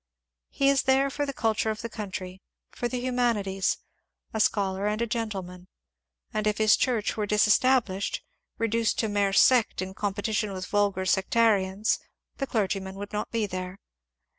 He is there for the culture of the country, for the humanities — a scholar and a gentleman, — and if his Church were disestablished, reduced to a mere sect in competition with vulgar sectarians, the clergyman would not be there.